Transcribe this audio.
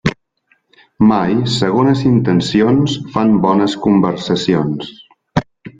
Mai segones intencions fan bones conversacions.